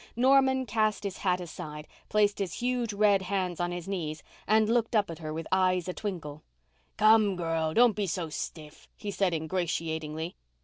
Norman cast his hat aside, placed his huge, red hands on his knees, and looked up at her with his eyes a twinkle. "Come, girl, don't be so stiff," he said, ingratiatingly.